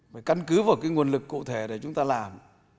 phải căn cứ vào cái nguồn lực cụ thể để chúng ta làm